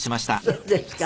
そうですか。